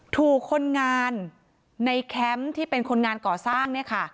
ถูกคนงานในแคมป์ที่เป็นคนงานก่อสร้างเนี่ยค่ะ